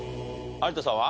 有田さんは？